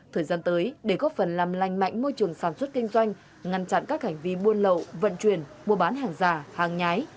thời gian tới để góp phần làm lành mạnh môi trường sản xuất kinh doanh ngăn chặn các hành vi buôn lậu vận chuyển mua bán hàng giả hàng nhái